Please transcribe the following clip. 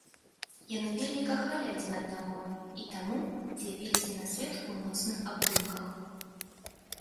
Яны вельмі кахалі адзін аднаго і таму з'явіліся на свет у моцных абдымках.